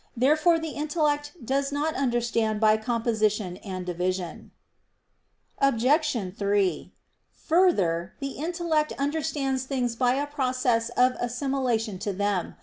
Therefore the intellect does not understand by composition and division. Obj. 3: Further, the intellect understands things by a process of assimilation to them.